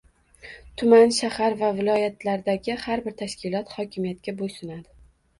tuman, shahar va viloyatlardagi har bir tashkilot hokimiyatga bo‘ysunadi.